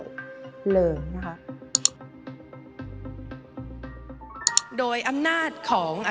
ถือว่าขึ้นปี๒๐๑๖